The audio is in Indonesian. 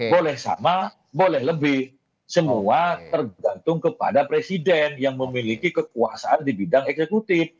boleh sama boleh lebih semua tergantung kepada presiden yang memiliki kekuasaan di bidang eksekutif